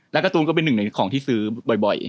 แล้วก็ตูนก็เป็นหนึ่งในของที่ซื้อบ่อย